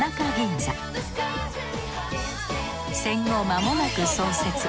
戦後まもなく創設。